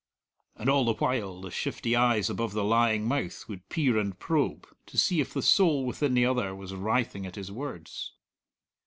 And all the while the shifty eyes above the lying mouth would peer and probe, to see if the soul within the other was writhing at his words.